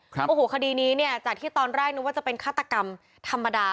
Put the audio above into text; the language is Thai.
โอ้โหคดีนี้เนี่ยจากที่ตอนแรกนึกว่าจะเป็นฆาตกรรมธรรมดา